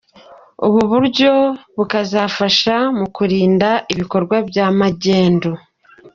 Ubu buryo bukazafasha mu kurinda ibikorwa bya magendu.